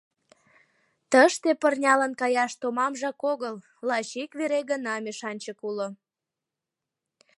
Тыште пырнялан каяш томамжак огыл, лач ик вере гына мешанчык уло.